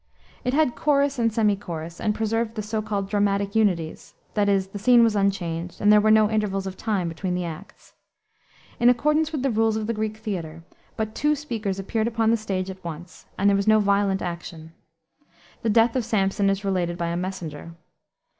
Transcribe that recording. It had chorus and semi chorus, and preserved the so called dramatic unities; that is, the scene was unchanged, and there were no intervals of time between the acts. In accordance with the rules of the Greek theater, but two speakers appeared upon the stage at once, and there was no violent action. The death of Samson is related by a messenger.